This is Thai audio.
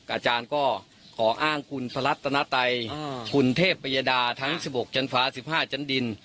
อาจารย์ก็ขออ้างคุณพระรัตนไตคุณเทพประยดาทั้ง๑๖ชั้นฟ้า๑๕ชั้นดิน